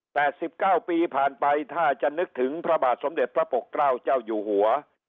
สิบเก้าปีผ่านไปถ้าจะนึกถึงพระบาทสมเด็จพระปกเกล้าเจ้าอยู่หัว